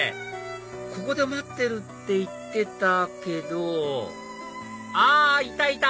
ここで待ってるって言ってたけどあっいたいた！